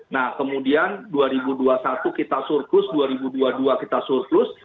nah kemudian dua ribu dua puluh satu kita surplus dua ribu dua puluh dua kita surplus